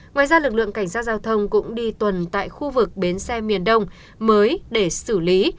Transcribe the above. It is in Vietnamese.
ngoài ra lực lượng cảnh sát giao thông cũng đi tuần tại khu vực bến xe miền đông mới để xử lý